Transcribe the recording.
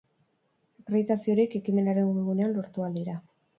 Akreditazio horiek ekimenaren webgunean lortu ahal dira.